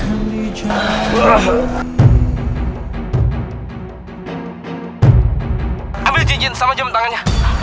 ambil cincin sama jam tangannya